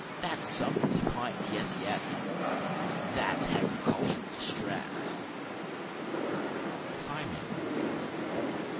That's summut to the pint yes, yes, That's Hagricultural Distress!" SIMON.